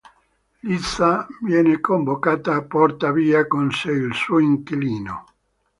Lisa viene convocata e porta via con sé il suo inquilino.